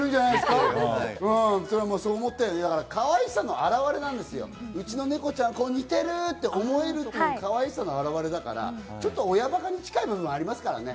かわいさの表れなんですよ、うちのネコちゃん似てるって思えるかわいさの表れだから、親バカに近い部分ありますからね。